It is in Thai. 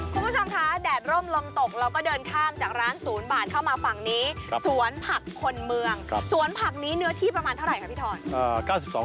คุณผู้ชมคะแดดร่มลมตกเราก็เดินข้ามจากร้านศูนย์บาดเข้ามาฝั่งนี้สวนผักคนเมืองสวนผักนี้เนื้อที่ประมาณเท่าไหร่ค่ะพี่ทอน